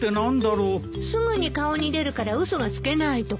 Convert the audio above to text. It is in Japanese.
すぐに顔に出るから嘘がつけないところ。